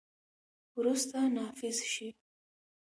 وروسته، نافذ شي.